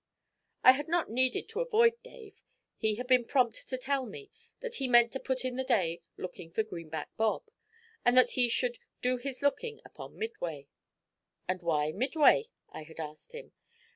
I had not needed to avoid Dave. He had been prompt to tell me that he meant to put in the day looking for Greenback Bob, and that he should 'do his looking' upon Midway. 'And why Midway?' I had asked him.